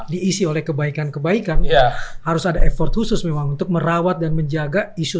diisi oleh kebaikan kebaikan harus ada effort khusus memang untuk merawat dan menjaga isu